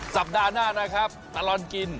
สัปดาห์หน้านะครับตลอดกิน